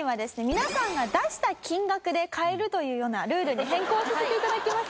皆さんが出した金額で買えるというようなルールに変更させて頂きます。